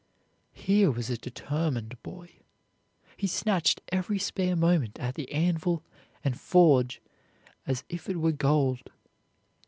Here was a determined boy. He snatched every spare moment at the anvil and forge as if it were gold.